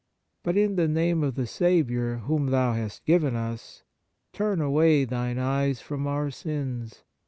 But, in the name of the Saviour whom Thou hast given us, turn away Thine eyes from our sins.